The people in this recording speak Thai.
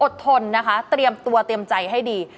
ทนนะคะเตรียมตัวเตรียมใจให้ดี